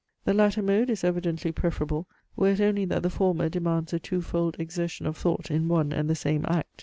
The latter mode is evidently preferable, were it only that the former demands a twofold exertion of thought in one and the same act.